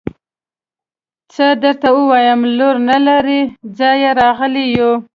څه درته ووايم لورې نه له لرې ځايه راغلي يو.